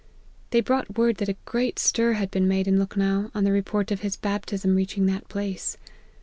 They brought word that a great stir had been made in Lukhnow, on the re port of his baptism reaching that place.